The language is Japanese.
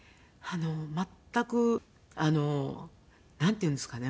全くなんていうんですかね